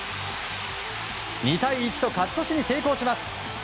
２対１と勝ち越しに成功します。